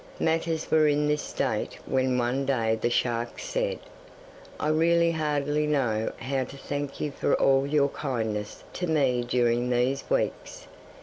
Matters were in this state when one day the shark said: 'I really hardly know how to thank you for all your kindness to me during these weeks.